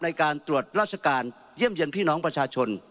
ในการตรวจราชการเยี่ยมเยี่ยมพี่น้องประชาชน